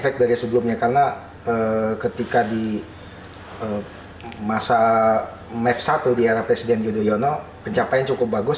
ketika di masa mev satu di era presiden yudhoyono pencapaian cukup bagus